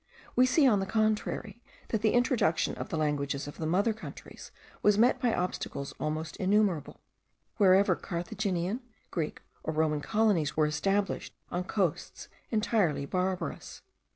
We see, on the contrary, that the introduction of the languages of the mother countries was met by obstacles almost innumerable, wherever Carthaginian, Greek, or Roman colonies were established on coasts entirely barbarous.